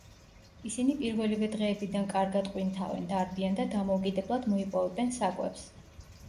ისინი პირველივე დღეებიდან კარგად ყვინთავენ, დარბიან და დამოუკიდებლად მოიპოვებენ საკვებს.